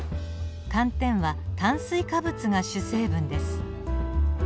寒天は炭水化物が主成分です。